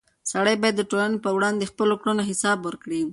سړی باید د ټولنې په وړاندې د خپلو کړنو حساب ورکړي.